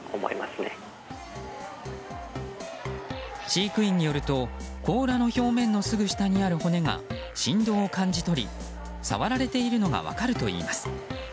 飼育員によると甲羅の表面の下にある骨が振動を感じ取り触られているのが分かるといいます。